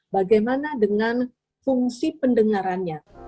bagaimana dengan fungsi pendengarannya